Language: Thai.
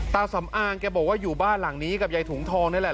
สำอางแกบอกว่าอยู่บ้านหลังนี้กับยายถุงทองนี่แหละ